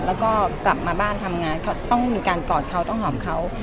แล้วก็กลับมาบ้านทำงานเขาต้องมีการกอดเขาต้องหอมเขา